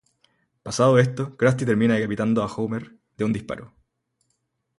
Pasado esto, Krusty termina decapitando a Homer de un disparo.